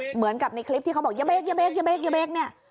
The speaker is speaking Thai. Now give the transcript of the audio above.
เหมือนกับในคลิปที่เขาบอกเยียบเบรกเยียบเบรกเยียบเบรกเยียบเบรกเนี้ย